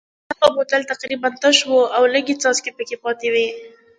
هغه بوتل تقریبا تش و او لږې څاڅکې پکې پاتې وې.